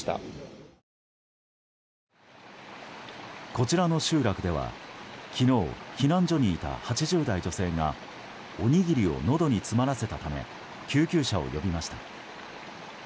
こちらの集落では昨日、避難所にいた８０代女性がおにぎりをのどに詰まらせたため救急車を呼びました。